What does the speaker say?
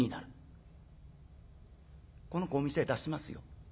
この子を店へ出しますよ。